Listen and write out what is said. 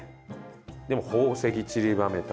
でも宝石ちりばめた。